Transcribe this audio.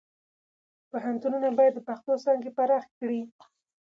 پوهنتونونه باید د پښتو څانګې پراخې کړي.